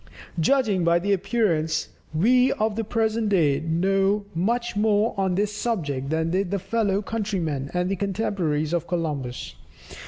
Judging by appearances, we of the present day know much more on this subject than did the fellow countrymen and contemporaries of Columbus.